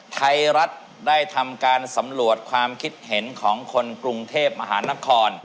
ไทยรัฐได้ทำการสำรวจความคิดเห็นของคนกรุงเทพมหานคร